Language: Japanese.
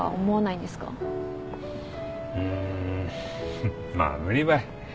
フッまあ無理ばい。